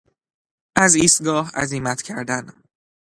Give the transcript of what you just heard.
از ایستگاه عزیمت کردن